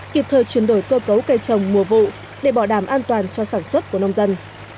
kịp thời chuyển đổi cơ cấu cây trồng mùa vụ để bảo đảm an toàn cho sản xuất của nông dân